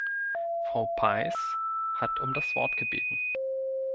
Frau Peijs hat um das Wort gebeten.